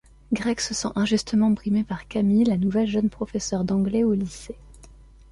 Greg se sent injustement brimé par Camille, la nouvelle jeune professeur d'anglais au lycée.